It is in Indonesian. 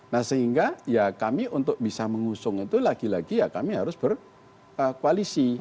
nah sehingga ya kami untuk bisa mengusung itu lagi lagi ya kami harus berkoalisi